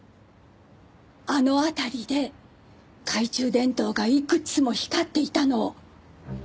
あの辺りで懐中電灯がいくつも光っていたのを。